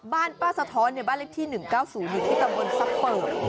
บ้านป้าสะท้อนในบ้านเล็กที่๑๙๐๑พิกับมือซัฟเบิร์ด